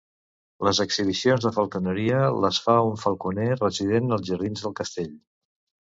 Les exhibicions de falconeria les fa un falconer resident als jardins del castell.